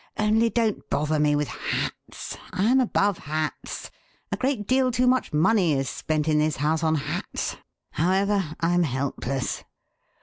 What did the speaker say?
Only don't bother me with hats. I am above hats. A great deal too much money is spent in this house on hats. However, I'm helpless!'